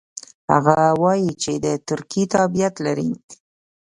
هغه وايي چې د ترکیې تابعیت لري.